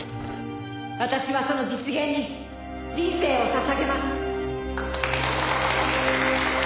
私はその実現に人生を捧げます。